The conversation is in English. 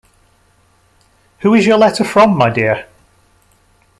Who is your letter from, my dear?